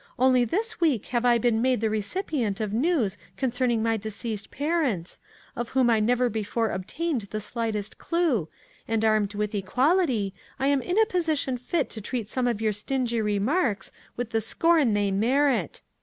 Only this week have I been made the recipient of news concerning my deceased parents, of whom I never before obtained the slightest clue, and armed with equality, I am in a position fit to treat some of your stingy remarks with the scorn they merit.